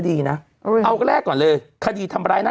กรมป้องกันแล้วก็บรรเทาสาธารณภัยนะคะ